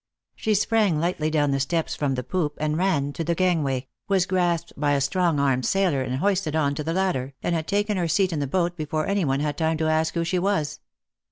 She sprang lightly down the steps from the poop and ran to the gangway, was grasped by a strong armed sailor and hoisted on to the ladder, and had taken her seat in the boat before any one had time to ask who she was.